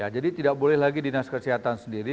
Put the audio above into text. jadi tidak boleh lagi dinas kesehatan sendiri